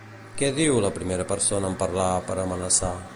Què diu, la primera persona en parlar, per amenaçar?